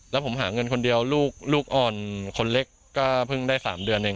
แล้วผมหาเงินคนเดียวลูกอ่อนคนเล็กก็เพิ่งได้๓เดือนเอง